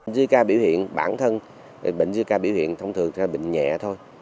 zika biểu hiện bản thân bệnh zika biểu hiện thông thường là bệnh nhẹ thôi